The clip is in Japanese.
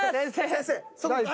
先生。